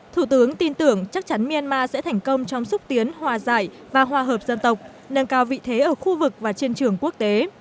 thủ tướng tin tưởng chắc chắn myanmar sẽ thành công trong xúc tiến hòa giải và hòa hợp dân tộc nâng cao vị thế ở khu vực và trên trường quốc tế